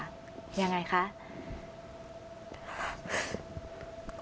สวัสดีครับ